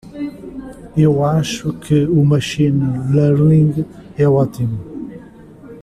Eu acho que o Machine Learning é ótimo.